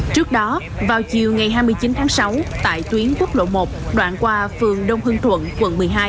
trước đó vào chiều ngày hai mươi chín tháng sáu tại tuyến quốc lộ một đoạn qua phường đông hương thuận quận một mươi hai